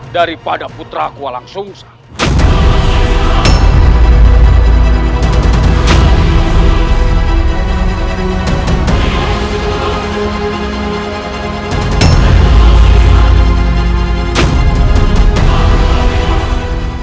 daripada putra ku langsung sangkab